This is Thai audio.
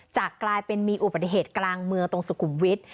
จะกลายเป็นมีอุบัติเหตุกลางเมืองตรงสุขุมวิทย์